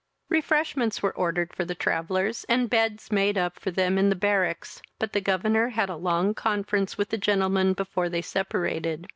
Refreshments were ordered for the travellers, and beds made up for them in the barracks; but the governor had a long conference with the gentlemen before they separated.